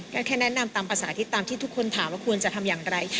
ก็แค่แนะนำตามภาษาที่ตามที่ทุกคนถามว่าควรจะทำอย่างไร